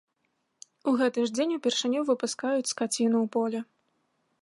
У гэты ж дзень упершыню выпускаюць скаціну ў поле.